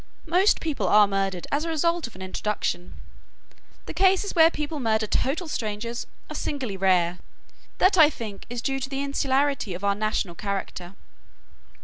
Most people are murdered as a result of an introduction. The cases where people murder total strangers are singularly rare. That I think is due to the insularity of our national character."